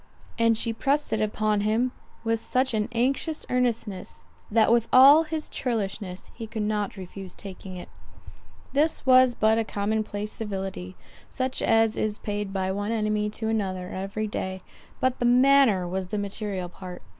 And she pressed it upon him with such an anxious earnestness, that with all his churlishness he could not refuse taking it. This was but a common place civility, such as is paid by one enemy to another every day; but the manner was the material part.